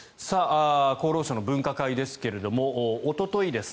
厚労省の分科会ですがおととい